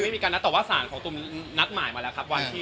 แต่ว่าศาลของตุ้มนัดหมายมาแล้วครับวันที่